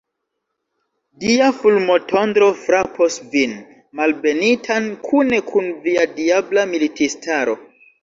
Dia fulmotondro frapos vin, malbenitan, kune kun via diabla militistaro!